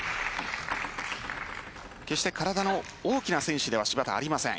決して体の大きな選手ではありません。